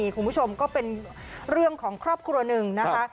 คุณผู้ชมก็เป็นเรื่องของครอบครัวหนึ่งนะคะ